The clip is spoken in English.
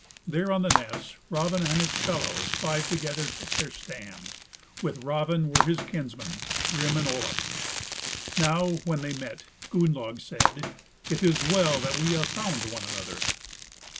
There on the ness Raven and his fellows, five together, took their stand. With Raven were his kinsmen, Grim and Olaf. Now when they met, Gunnlaug said, "It is well that we have found one another."